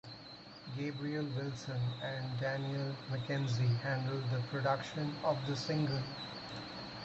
Gabriel Wilson and Daniel Mackenzie handled the production of the single.